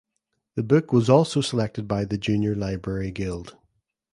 The book was also selected by the Junior Library Guild.